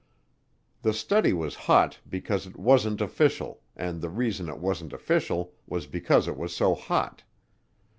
The study was hot because it wasn't official and the reason it wasn't official was because it was so hot.